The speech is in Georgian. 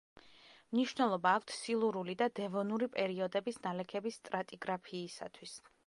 მნიშვნელობა აქვთ სილურული და დევონური პერიოდების ნალექების სტრატიგრაფიისათვის.